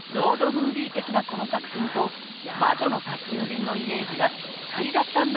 ムービー的な、この作品と『魔女の宅急便』のイメージがピッタリだったんだ